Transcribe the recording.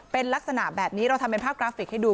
เป็นลักษณะแบบนี้เราทำเป็นภาพกราฟิกให้ดู